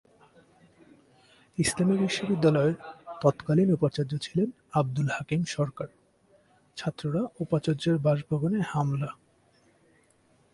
ইসলামী বিশ্ববিদ্যালয়ের তৎকালীন উপাচার্য ছিলেন আব্দুল হাকিম সরকার, ছাত্ররা উপাচার্যের বাসভবনে হামলা।